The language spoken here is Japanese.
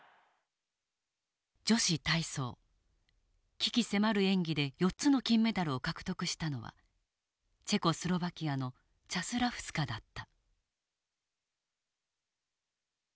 鬼気迫る演技で４つの金メダルを獲得したのはチェコスロバキアのチャスラフスカだった。